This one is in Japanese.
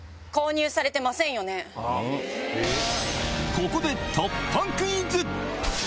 ここで突破クイズ！